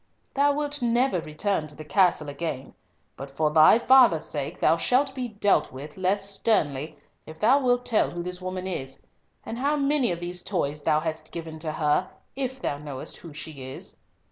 Thou wilt never return to the castle again, but for thy father's sake thou shalt be dealt with less sternly, if thou wilt tell who this woman is, and how many of these toys thou hast given to her, if thou knowest who she is."